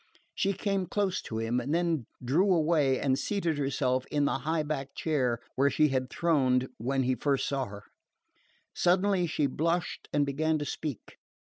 She came close to him and then drew away and seated herself in the high backed chair where she had throned when he first saw her. Suddenly she blushed and began to speak.